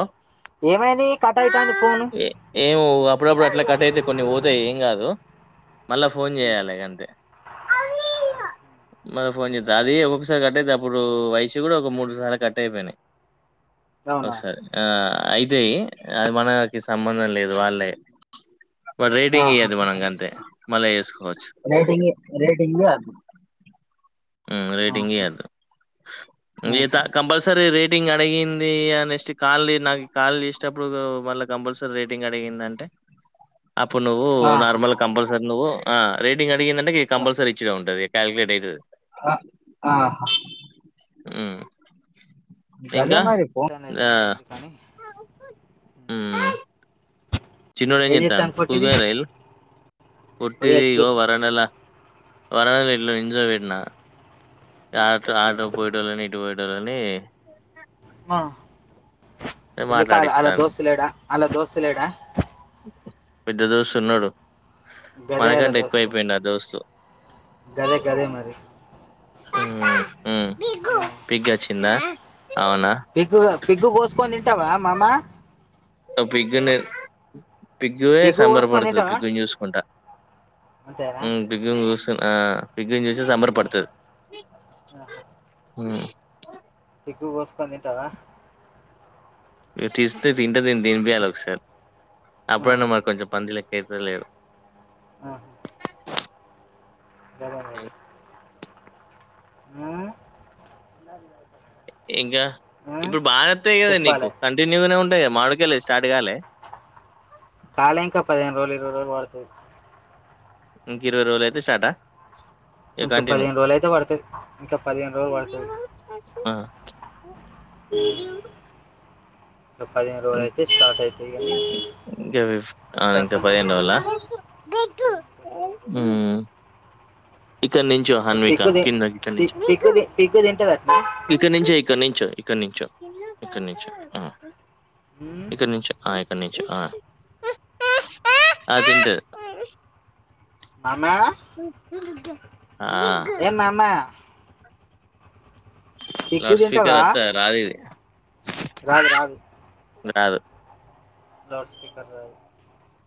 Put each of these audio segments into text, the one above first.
ఆ? ఏమైంది కట్ అవుతుంది ఫోన్ ఏ ఏమో అప్పుడప్పుడు అట్లా కట్ అయితే కొన్ని పోతాయి ఏం కాదు మళ్ళా ఫోన్ చేయాలి అంటే మరి ఫోన్ చేస్తా అద ఒకసారి కట్ట అయితే అప్పుడు వైషు కూడా ఒక మూడుసార్లు కట్ అయిపోయినాయి అవునా ఒకసారి అయితే అది మనకి సంబంధం లేదు వాళ్ళే వా రేటింగ్ ఆహా ఇవ్వదు మనక అంతే మళ్ళీ చేసుకోవచ్చు రేటింగ్ రేటింగ్ అది రేటింగ్ ఆహా. ఇయ్యదు కంపల్సరీ రేటింగ్ అడిగింది అ నెక్స్ట్ కాల్ నాకు కాల్ ఇసినప్పుడు వల్ల కంపల్సరీ రేటింగ్ అడిగింది అంటే అప్పుడు నువ్వు ఆహా. నార్మల్ కంపల్సరి నువ్వు ఆ రేడింగ్ అడి కంపల్సరీ ఇచ్చుడే ఉంటుది కాలకులేట్వుతుది ఆ ఆహా హ్మ్మ్ గదే మరి అంది అయితే మరి ఎందు కాని హ్మ్మ్ చిన్నోడు ఎం ఏం చేస్తున్నారు చెప్తాను స్కూల్ కి కొట్టింది పోయిండ్ల ఇళ్ళు పోయి పొట్టిది ఇగో వచ్చిర్రు వరండాల వరవ వట్లో నిెంజ నిలసిపెట్టిన ఆ ఆటతో పోయిటలే నీట్ పోయిటలే అనీ ఆ ఎందుకాల అలా మాట్లాడిత్తాండు. దోస్తులేడా అల్లా దోస్తులేడా పెద్ద దోస్త్ ఉన్నాడు గదే అలా మనకంటే దోస్తు ఎక్కువయిపోయింది ఆ దోస్తు గదే గదే మరి పిగ్ అచి చిన్న పిగగు పిగగు కోసుకొని తింటావా మామా అ పిగ్ నే పిగ్గువే పిగ్గు కోసుకొని సంబరపడుతుంది తింటావా పిగ్గుని చూసుకుంటా అంతేనా పిగ్గుని చూసు ప జూసీ సాబంర పడుతు ఆహా, పిగ్ కోసుకొని తింటావా టిూస్డే తిన్టే ద దిన బయాల ఒక సారీ ఆ, అప్పుడన్న మరి కొంచెం పందిలే కేతులేదు ఆా బదా హ్మ్మ్ ఇంకా ఇప్పుడు బానే అత్తయ్ కదా నీకు కంటిన్యూ మామిడికాయలు స్టార్ట్ కాలే? కాాల ఇంకా పదిహేను రోజలు [unintelligible] ఇంక ఇరవై రోజులు అయితే స్టార్టా ఇగ ఒకా కంటిన్యూ. పదిహేను రోజులు అయితే పడుతుది ఇంకా పదిహేను రోజులు పడుతుది [inaudible] [inaudible] పదిహేను రోజులు అయితే స్టార్ట్ అవుతాయి కానీ అంత అంత ఇంకా పదిహేను రోజుల ఆ, ఇంకా పదిహేను హూ రోజులు. ఇక్కడ నుంచో హన్విక పిగ్గు తి- కింద ఇక్కడ నుంచి పి- పిగ్గు తి- పిగ్గు తింటుంది అట్నా ఇక్కడ నుంచో ఇక్కడ నుంచ ఇక్కడ నుంచ ఇక్కడ నుంచ ఇక్కడ నుంచి ఆయ ఆడ నించో ఆ ఆ ఆడ నించో మామ ఆ పిగ్గు లౌడ్ స్పీకర్ తింటావా అంతా రాది ఇది రాదు రాదు [unintelligible] లౌడ్ స్పీకర్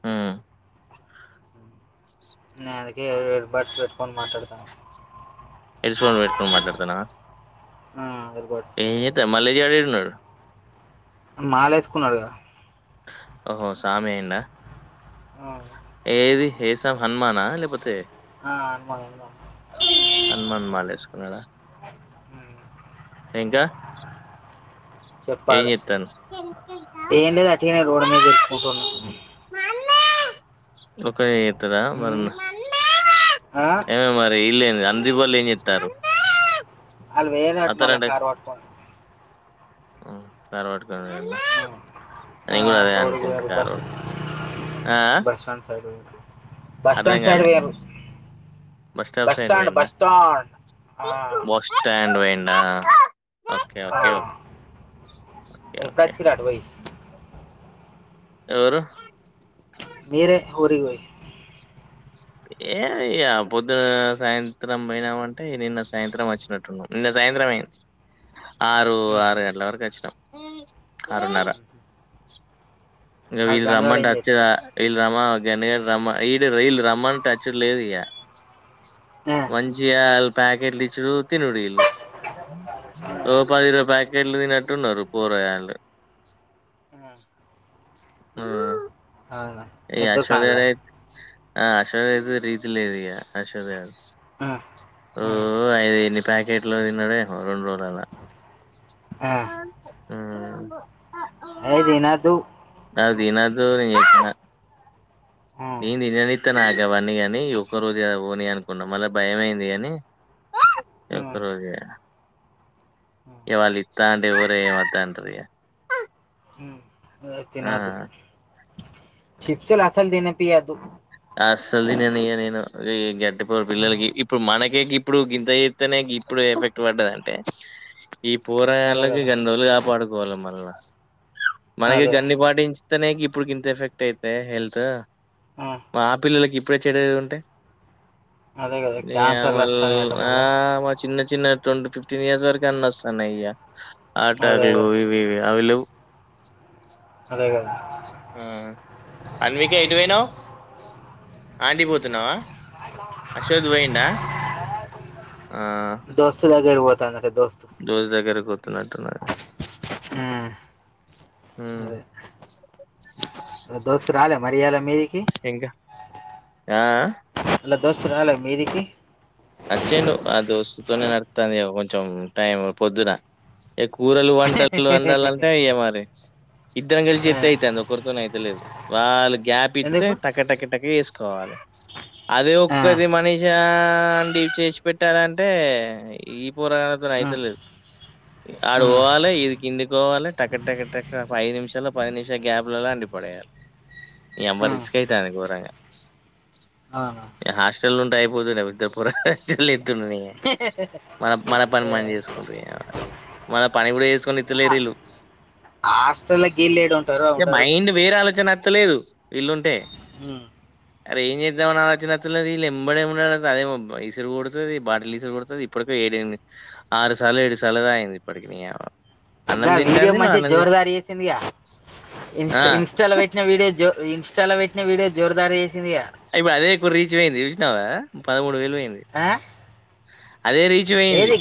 హ నేను అందుకే ఇయర్ బడ్స్ పెట్టుకోని మాట్లాడుతానా హెడ్ పోన్స్ పెట్టుకని మాట్లాడుతానావా ఆ ఏం చేతవ్ మల్లేష్ గాడు ఏడున్నాడు మాలేసుుకున్నాడు కదా ఓహో సామి అయిండా ఆ, ఏది హేశం హనుమానా లేకపోతే ఆ హనుమనే హనుమాన్ మాల వేసుకున్నాడా హన్ ఇంకా ఏం చెప్పాలి చేత్తాను ఏన్ లేద అటినే రోడ మీద తిరుకుంట ఉన్నా ఒకే కదా మరి ఉమ్, ఆ? ఏమే మరి ఇల్లే అందు వాళ్ళు ఏం చెస్తారు అల్ వేర అట మళ క వా ప [unintelligible] ఉమ్, ఆ, అని కూడా అటు అదే రోడ్డుకి అనుకుంట వేరు క బస్ ఆ అర్ధం బస్టాండ్ సైడ్ కాలే పోయిరు బస్ స్టాప్ సైడ్ బస్టాండ్ పోయిండా బస్టాండ్ ఆ అయండ పోయిండా ఓకే ఆ. ఓకే ఓకే ఎప్పుడు ఓకే వచ్చిర్రు అటు పోయి ఎవరు మీరే ఊరికి పోయి ఏ ఇ పొద్దున సాయంత్రం పోయినామంటే నిన్న సాయంత్రం వచ్చినట్టున్నాం నిన్న సాయంత్రం అయింది ఆరు ఉమ్, ఆరు గంటల వరకు వచ్చినాం ఆరున్నార ఉమ్, ఉమ్. ఇగా ఆడు వీల్ గనుగాడు రమ్మంటే ఏం వచ్చిన చెప్తా వీల్ రామ గన్ రామన్ ఈ ఇళ్ళు రామంటేవచ్చడులేదు ఇగా మంచిగా ప్యాకెట్లు ఇచ్చడు తినుడి ఇల్లు ఓ పది ఇరవై ఏళ్ళు తినట్ ఉన్నారు పోరగాళ్లు హూ అవునా పెద్ద దుకాణంలా ఆ అశ్వద్ గాడు రీతి లేదు ఇగ అశ్వద్ గాడు ఆ, ఓ ఆ, ఐదు ఎన్ని ప్యాకెట్ అట్లా తిన్నదో ఎమో రెండు రోజలలా ఆ ఊ అయ్యో తినొద్దు అవి తినొద్దు ఓయ్ ఏ ఆ, నేన్ ఆ, నిననిద్ ఇత్త నాకు అవన్నీ కానీ, ఈ ఒక్క రోజె కదా పోనీ అనుకున్నా మళ్ళ భయమైంది కాని, ఈ ఒక్క ఆ, రోజె ఇక వాళ్ళు ఇస్తా అంటే ఎవర ఏ వద్దు అంటార్ ఇగ. ఎ ఆ తినాదు చిప్చల్లాసలు దిని ఇయ్యదు అస్సల్ తిననీయ నేను ఈ గడ్టిపో పిల్లలకి, ఉమ్, ఇప్పుడు మనకే గిప్పుడు గింత చేతేనే గిప్పుడు ఎఫెక్ట్ పడ్డది అంటే అదే పొరగాళ్ళకి కదా గన్ని రోజులు కాపాడు గోలమల్ల మనకి అదే గన్ని పాటించ్ ఇత్తనే గిప్పుడు గింత ఎఫెక్ట్ అయితే హెల్త్ ఆ, మా పిల్లలకి ఇప్పుడే చెడయి ఉంటే అదే కదా నీ క్యాన్సర్లు యామల్ వస్తాయట ఆ మళ్ళా మా చిన్న చిన్న ట్వంటీ ఫిఫ్టీన్ ఇయర్స్ వరకే అన్న వస్తున్నాయి ఇగ అదే అదే ఆటర్లు ఇవి ఇవి అవిె లేవ్ అదే కదా ఆ అన్వికా ఎటు పోయినావ్ ఆంటీ పోతున్నావా, అశోథ్ పోయిండా దోస్తు దగ్గరే వో ద్ తండడిత్ దోజ్ దగర కొ తున్నాట్టునుందా హ్మ్ అ దోస్తు రాలే మరి ఈయాలా మీదికి ఇంకా ఆ అలా దోస్తు రాలే మీదికి అచ్చేండు ఆ దోస్తుతోనే నడుతాంది ఇగ కొంచెం టైం పొద్దున ఎక్ ఊరలు వంటలు వండలు అంటే ఇ్యయ మరి ఇద్దరం కలిసి ఆ, ఎత్తే అయితది ఒకరితో అయి లేదు వాళ్ళక్ గ్యాప్ ఇత్తే ఎందుకు టక టక టక ఏ స్ కోవాలే అదే ఆ, ఒక్కది మనీషా ఆ న్ చేసి పెట్టాలంటే ఈ పోరగాళ్లతో న్ ఆ, అయితలేదు. ఆ, ఆడు పోవాలే ఇడి కిందికొవాలే టక్క టక్క ఐదు నిమిషాల పది నిమిషాల గ్యాప్ లోలా వండి పడేయాలే, ఈ యమ్మ ఆ, రిస్క్ అయితని ఘోరంగా, అవునా ఇక హాస్టల్ ఉంటే అయిపోతుండే ఇద్దర్ పోరా లేతున్ని, మన మన పని ఏ, మని చేసుకుంట ఇగ మన పని కూడా చేసుకొని ఇత్తలేరుీళ్ళు హాస్టల్ గీళ్ళు ఏడ ఉంటారు అ ఉండరు టే నత్తలేదు వీళ్లుుంటే, ఉమ్. అరే ఏం చేద్దామని ఆలోచ్చినత్తలేదు, వీళ్ ఎంబడే ఉండడం అదే పం ఈసరు కొడుతది, బాటిల్ ఈసరు కొడుతది, ఇప్పటిక ఏడు ఎను ఆరు సార్లు ఏడు సార్లు తాగింది, ఇప్పటికీ నే యా దా వీడియో మంచిగా జోరదారు చేసిందిగా, ఇన్స్ ఆ ఇన్స్టాలో పెట్టిన వీడియో జో ఇన్స్టాలో పెట్టిన వీడియో జోడ్ దారి ఇదియా అదే ఇప్పుడు రీచ్ పోయింది చూసినా పదమూడు వేలు పోయింది అది ఆ? అదే రీచ్ వెయింది ఏది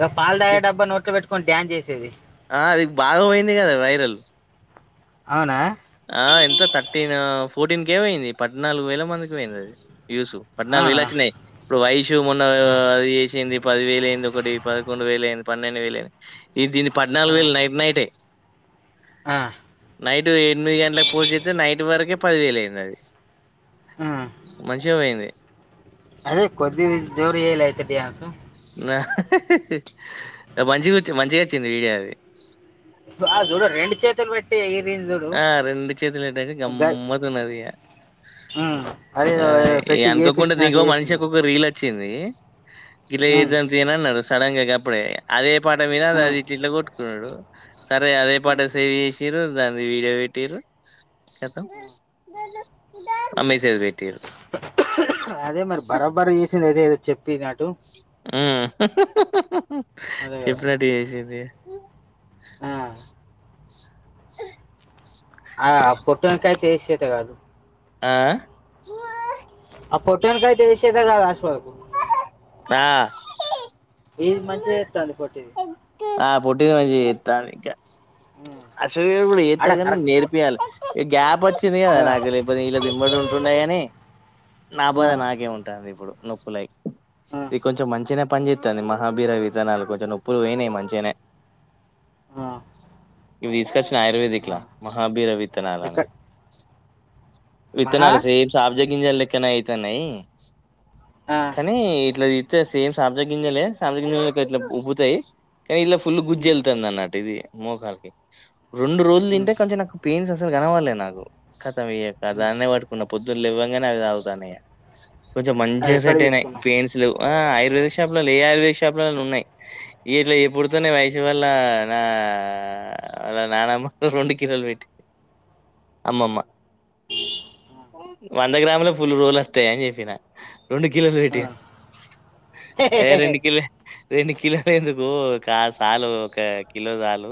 గా పాలు తాగే డబ్బా నోట్ల వెట్ కొన్ డాయాన్ చేసేది ఆ అది బాగవోయింది గదా వైరల్ అవునా ఆ ఎంత థర్టీన్ ఫోర్టీన్ కే వోయింది పద్నాలుగు వేల మందికి వోయింది అది ఏసు పద్నాలుగు వేలు అవునా వచ్చినాయి ఇప్పుడు వైషూ మొన్న ఆ, అది చేసింది పది వేలు అయింది ఒకటి పదకొండు వేలు అయింది పన్నెండు వేలు అయింది ఇది దీన్ని ఆ, పద్నాలుగు వేలు నైట్ నైటే ఆ నైట్ డూయిట్ ఎనిమిది గంటలకు పోస్ట్ చేస్తే నైట్ వరకే పది వేలు అయింది అది ఆ. మంచిగా పోయింది అదే కొద్ది వేయింది జోరు ఏయలే తెద్ది హన్సు మంచిగా వచ్చి మంచిగా వచ్చింది వీడియో అది ఆ చూడు రెండు చేతులు వెట్టి ఏయిత్ ఆ రెండు చేతులు వెట్టి అయితే గ- గమ్మతున్నది ఇగ ఉమ్, అదే ఆ పెట్టి అనుకోకుండా చేపించినట్టు ఇగో మనిషి చేసింది ఒక్కొ రీల్ వచ్చి చ్చింది ఇలా ఉమ్, ఏదంత ఏన అన్నారు సడన్ గా గప్పుడే అదే పాట మీద ఉమ్, అది ఇట్ల ఇట్ల కొట్టుకునుడు సరే అదే పాట ఉమ్, సేవ్ చేసిర్రు దాన్ వీడియో పెట్టిర్రు కతం ఉమ్. ఆ మెసేజ్ పెట్టిర్రు అదే మరి బరాబరి చేసింది అదే అదే చెప్పి నాటు ఉ అదే కదా చెప్పినట్టు చేసింది ఆ, ఆ ఫోటోని కాయ తెష అంతే గాదు ఆ ఆ పొట్టోన్ కైతే ఏది షేత గాదు అష్ బా ఆ ఇది మంచిగా చేత్తది పోట్టిది ఆ పొట్టిది మంచిగా చేతంది ఇంకా ఉమ్. కూడా ఆడ ఏతరు కన్నా నేర్పియాలి ఏ గ్యాప్ వచ్చ వచ్చింది కదా కరెక్ట్ నాకు లేకపోతే వీళ్ళ దిమ్మడి ఉంటున్నాయ అని ఆ, నాబాద నాకే ఉంటు ఇప్పుడు నొప్పు లైక్ ఆ, ఇది కొంచెం మంచిన పనిచస్తుంది మహాభీర వితనాలు కొంచెం నొప్పులు పోయినాయి మంచి ఆ, ఇవి తీసుకొచ్చిన ఆ. ఆయుర్వేదిక్లా మహాభిరవి విత్తనాలను ఎక్కడ మహా విత్తనాలు సే సబ్జా గింజాలు లెక్కన అయితున్నాయి ఆ, కానీ ఇట్లా ఇస్త సేమ్ సాబ్జ గింజలే సాంజ గింజలు ఇట్లా ఉబ్బతాయి కానీ ఇలా ఫుల్ గుజ్జి ఉమ్, వెళ్తుంది అన్నట్టు ఇది మోకాలకిి రెండు రోజులు తింటే ఉమ్, కొంచెం నాకు పెయిన్స్ అసలు కనవాలలే నాకు కథం అయ్యాక ఉమ్, దాన్న ఉమ్. పట్టుకున్న పొద్దులు లేవ్వంగానే అది అవుతానయ కొంచెం ఆ, మంచిగా ఎక్కడ సెటైనయి తీసుకున్నావు పేయిన్స్ ఆ ఆయుర్వేదక షాప్లలో ఏ ఆయుర్వేదిక షాప్లలో ఉన్నాయి ఇట్ పుడుతోనే అవునా, వయసు వళ్ళ నా వా నానమ్మ రెండు కిలోలు పెట్టి అమ్మమ్మ అవునా, వంద గ్రాముల పులు రోలు వస్తాయి అని చెప్పిన రెండు కిలోలు ఆ, పెట్టి ఆ. ఏ రెణక ర కిలందు పో సాలు ఒక కిలో చాలు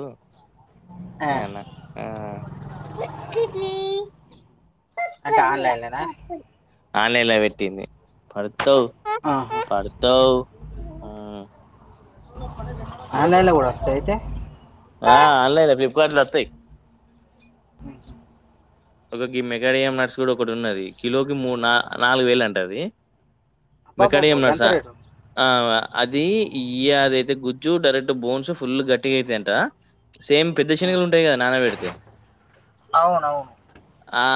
ఆ, అన్నా పర్పల్ అంటే ఆన్లైన్లోనా పర్పల్ ఆన్లైన్లో వెట్టింది పడు ఆహా. త ఆన్లైన్ కూడా వస్తా అయితే ఆ ఆన్లైన్ ఫ్లిప్కార్ట్ లోత్తాయి ఉమ్. ఒక మెగాడియం నట్స్ కూడా ఒకటి ఉన్నది కిలోకి మూ నాలుగు వేలు అంటుది మీ అబ్బాబాబు కడియం ఎంత నడుసా రేటు ఆ మా అది ఇ అదైతే గుజ్జు డైరెక్ట్ బోన్స్ ఫుల్ గట్టిగా అయితాంట సేమ్ పెద్ద ఆ. శనగలు ఉంటాయి కదా నాన పెడితే అవునవును ఆ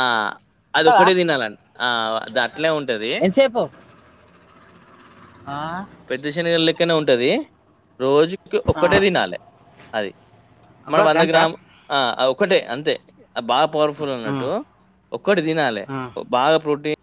అది అత్తవా ఒకటే తినాలండి ఆ అద ఎట్లా ఉంటది ఎంతసేపు ఆ, పెద్దశణ ఉంటదింది రోజు ఆ. ఒకటే దినాలే అది మన అబ్బా వంద గంట గ్రామ్ ఓక్ ఒక్కటే అంతే ఆబా పోవరం ఫుల్ ఉన్నట్టు ఉమ్, ఒక్కటి తినాలి ఉమ్. బాగా ప్రోటీన్